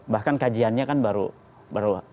bahkan kajiannya kan baru